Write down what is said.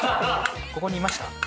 ここにいました？